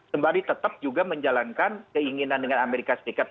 sembari tetap juga menjalankan keinginan dengan amerika serikat